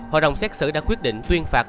hội đồng xét xử đã quyết định tuyên phạt